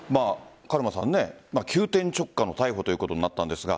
急転直下の逮捕ということになったんですが